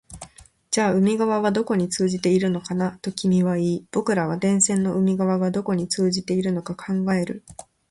じゃあ海側はどこに通じているのかな、と君は言い、僕らは電線の海側がどこに通じているのか考える